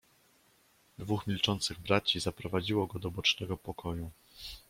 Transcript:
"Dwóch milczących braci zaprowadziło go do bocznego pokoju."